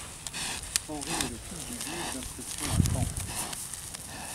Henri est le fils du juge d'instruction à Caen.